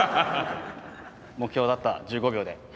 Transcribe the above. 目標だった１５秒で。